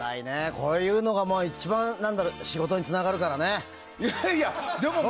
こういうのが一番仕事につながるからね。